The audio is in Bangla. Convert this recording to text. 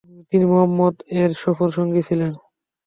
তিনি মুহাম্মদ -এর সফরসঙ্গী ছিলেন।